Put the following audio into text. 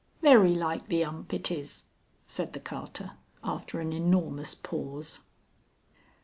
"Very like the 'ump et is," said the carter after an enormous pause.